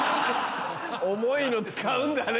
重いの使うんだね。